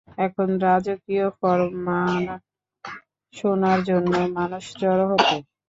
এখানে রাজকীয় ফরমান শোনার জন্য মানুষ জড়ো হত।